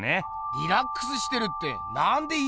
リラックスしてるってなんで言い切れんだよ。